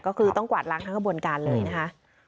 ก็คือต้องกวาดล้างทั้งกระบวนการเลยนะคะ